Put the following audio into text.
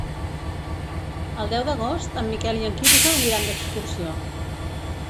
El deu d'agost en Miquel i en Quirze aniran d'excursió.